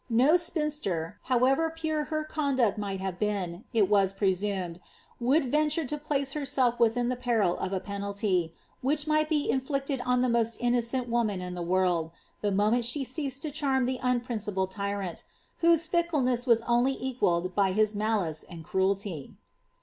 No spuister, however jnre her conduct might have been, it was presumed, would venture to place herself within the peril of a penalty, whicli might be inflicted on the mo!$t innocent woman in the world, the moment she ceased to charm Ihe unprincipled tyrant, whose fickleness was only equalled by his malice and crucltv.